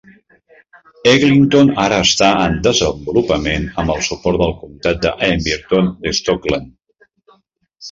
Eglinton ara està en desenvolupament amb el suport del comtat d'Amberton de Stockland.